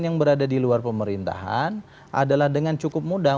yang berada di luar pemerintahan adalah dengan cukup mudah